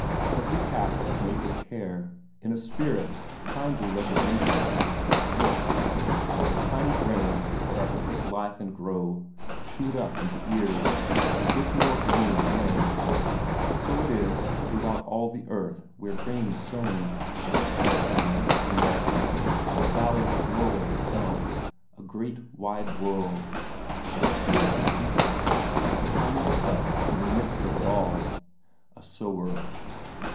Every cast was made with care, in a spirit of kindly resignation. Look! the tiny grains that are to take life and grow, shoot up into ears, and give more corn again; so it is throughout all the earth where corn is sown. Palestine, America, the valleys of Norway itself a great wide world, and here is Isak, a tiny speck in the midst of it all, a sower.